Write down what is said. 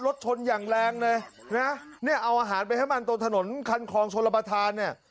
รถชนอย่างแรงนะเอาอาหารไปให้มันตรงถนนคันครองชนระบาทานเนี่ย